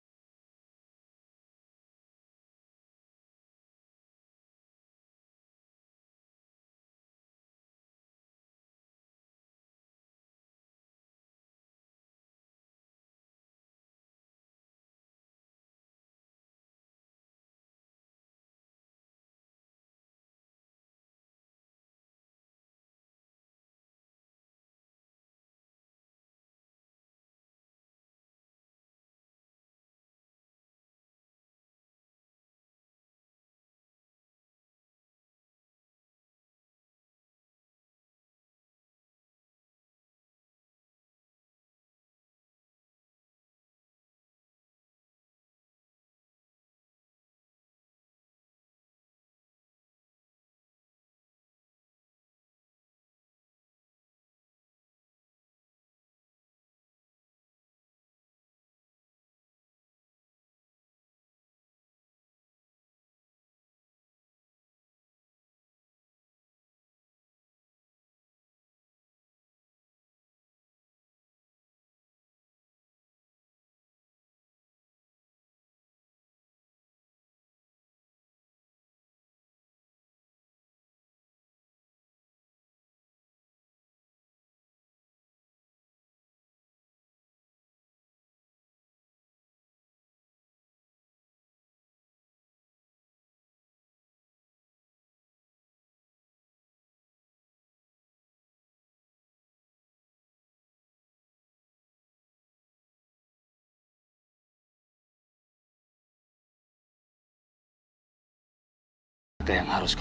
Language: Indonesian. kau jeng ancestnya tuh aprove